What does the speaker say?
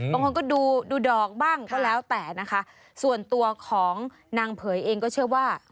บางคนก็ดูดูดอกบ้างก็แล้วแต่นะคะส่วนตัวของนางเผยเองก็เชื่อว่า